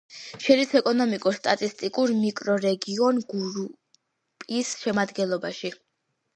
შედის ეკონომიკურ-სტატისტიკურ მიკრორეგიონ გურუპის შემადგენლობაში.